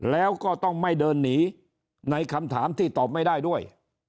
แล้วก็ต้องไม่เดินหนีในคำถามที่ตอบไม่ได้ด้วย